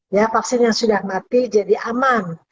ya vaksin yang sudah mati jadi aman